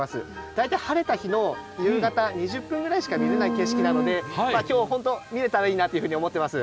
大体、晴れた日の夕方２０分ぐらいしか見れない景色なので今日、本当に見れたらいいなと思っています。